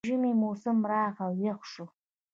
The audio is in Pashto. د ژمي موسم راغی او یخ شو